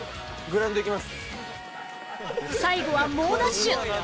最後は猛ダッシュ